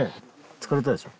疲れたでしょ？